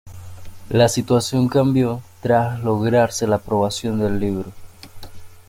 La situación cambió tras lograrse la aprobación del libro.